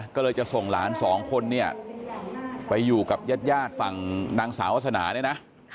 ก็เลยจะส่งหลานสองคนเนี่ยไปอยู่กับญาติฝั่งนางสาววาสนาเนี่ยนะ